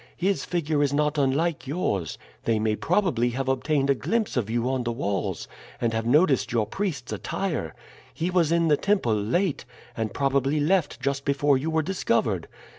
His figure is not unlike yours. They may probably have obtained a glimpse of you on the walls, and have noticed your priest's attire. He was in the temple late, and probably left just before you were discovered.